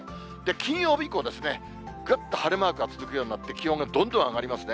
金曜日以降ですね、ぐっと晴れマークが続くようになって、気温がどんどん上がりますね。